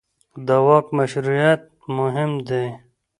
د واک مشروعیت مهم دی